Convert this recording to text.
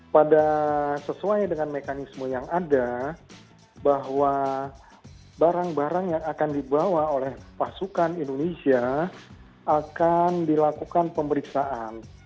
pada sesuai dengan mekanisme yang ada bahwa barang barang yang akan dibawa oleh pasukan indonesia akan dilakukan pemeriksaan